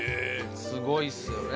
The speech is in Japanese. すごいっすよね。